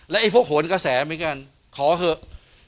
และไอ้พวกโขนกระแสไหมกันขอเถอะ